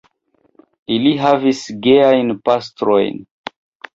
Ili havis geajn pastrojn.